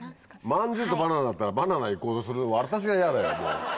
まんじゅうとバナナだったらバナナ行こうとする私が嫌だよ。